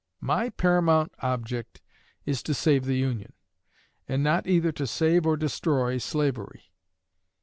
_My paramount object is to save the Union, and not either to save or destroy slavery.